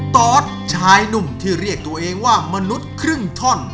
ตอสชายหนุ่มที่เรียกตัวเองว่ามนุษย์ครึ่งท่อน